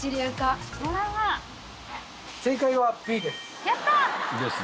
正解はＢです！